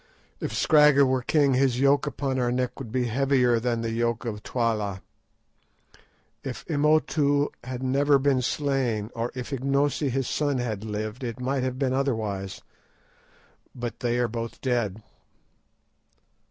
If Scragga were king his yoke upon our neck would be heavier than the yoke of Twala. If Imotu had never been slain, or if Ignosi his son had lived, it might have been otherwise; but they are both dead."